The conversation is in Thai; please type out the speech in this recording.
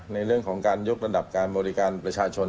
ในเรื่องของการยกระดับการบริการประชาชน